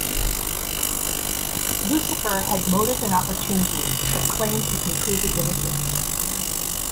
Lucifer had motive and opportunity, but claims he can prove his innocence.